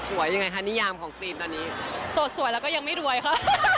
ยังไงคะนิยามของกรีนตอนนี้โสดสวยแล้วก็ยังไม่รวยค่ะ